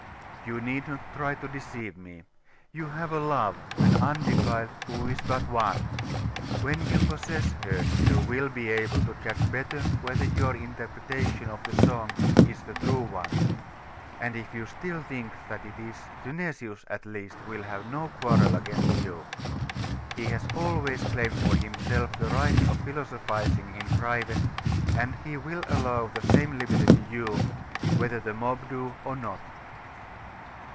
You need not try to deceive me. You have a love, an undefiled, who is but one. When you possess her, you will be able to judge better whether your interpretation of the Song is the true one; and if you still think that it is, Synesius, at least, will have no quarrel against you. He has always claimed for himself the right of philosophising in private, and he will allow the same liberty to you' whether the mob do or not.